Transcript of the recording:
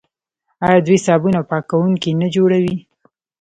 آیا دوی صابون او پاکوونکي نه جوړوي؟